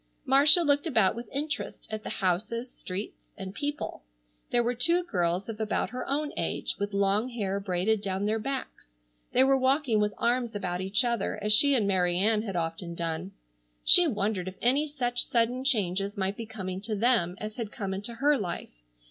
Marcia looked about with interest at the houses, streets, and people. There were two girls of about her own age with long hair braided down their backs. They were walking with arms about each other as she and Mary Ann had often done. She wondered if any such sudden changes might be coming to them as had come into her life.